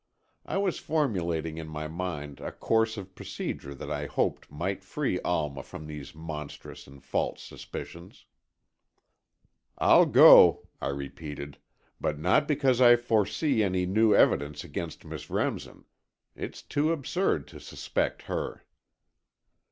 I was formulating in my mind a course of procedure that I hoped might free Alma from these monstrous and false suspicions. "I'll go," I repeated, "but not because I foresee any new evidence against Miss Remsen. It's too absurd to suspect her."